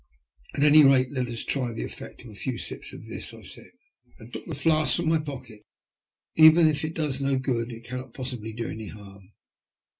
*' At any rate, let us try the effect of a few sips of this," I said, as I took the flask from my pocket. Even if it does no good, it cannot possibly do any harm."